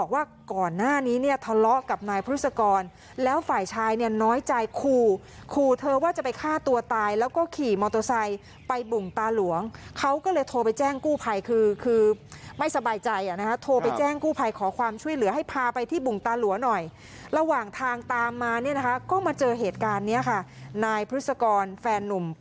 ว่าก่อนหน้านี้เนี่ยทะเลาะกับนายพฤศกรแล้วฝ่ายชายเนี่ยน้อยใจขู่ขู่เธอว่าจะไปฆ่าตัวตายแล้วก็ขี่มอเตอร์ไซค์ไปบุ่งตาหลวงเขาก็เลยโทรไปแจ้งกู้ภัยคือคือไม่สบายใจโทรไปแจ้งกู้ภัยขอความช่วยเหลือให้พาไปที่บุงตาหลัวหน่อยระหว่างทางตามมาเนี่ยนะคะก็มาเจอเหตุการณ์เนี้ยค่ะนายพฤษกรแฟนนุ่ม